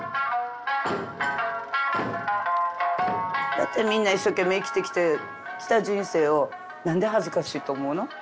何でみんな一生懸命生きてきた人生を何で恥ずかしいと思うの？